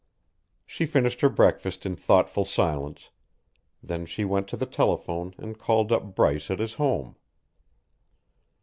She finished her breakfast in thoughtful silence; then she went to the telephone and called up Bryce at his home.